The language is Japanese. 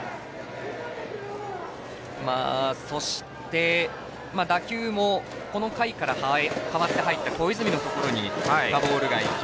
そして打球もこの回から代わって入った小泉のところにボールがいき